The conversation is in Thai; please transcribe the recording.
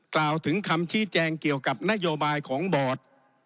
กล่าวถึงคำชี้แจงเกี่ยวกับนโยบายของบอร์ด